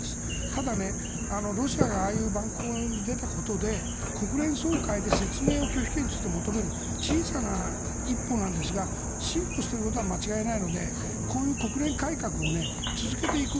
ただ、ロシアがああいう蛮行に出たことで国連総会で、説明を拒否権について求める小さな一歩なんですが進歩してることは間違いないのでこういう国連改革を続けていく。